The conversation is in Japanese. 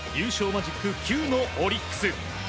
マジック９のオリックス。